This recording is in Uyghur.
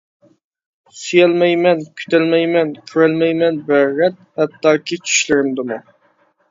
سۆيەلمەيمەن، كۈتەلمەيمەن، كۆرەلمەيمەن بىرەر رەت، ھەتتاكى چۈشلىرىمدىمۇ.